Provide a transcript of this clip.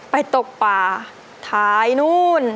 ตกป่าท้ายนู่น